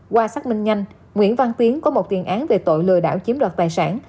qua xác minh nhanh nguyễn văn tiến có một tiền án về tội lừa đảo chiếm đoạt tài sản